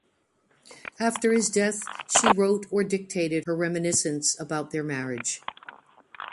After his death she wrote or dictated her reminiscence about their marriage.